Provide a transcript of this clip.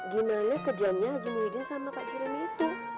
gimana kejamnya haji muhyiddin sama kak jurema itu